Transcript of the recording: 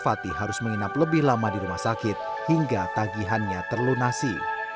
fatih harus menginap lebih lama di rumah sakit hingga tagihannya terlunasi